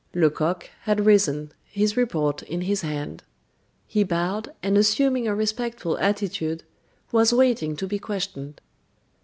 Lecoq had risen, his report in his hand; he bowed, and assuming a respectful attitude, was waiting to be questioned.